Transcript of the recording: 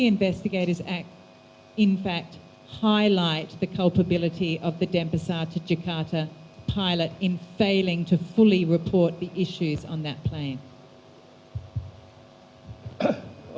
namun apakah ada arahan apakah ada di saat itu apakah itu telah berubah dan apakah perintah pemerintah mengatasi kesalahan pilot di jakarta denpasar dalam kegagalan untuk melaporkan masalah di kapal itu